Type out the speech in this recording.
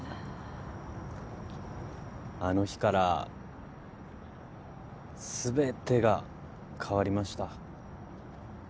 あの日から全てが変わりました。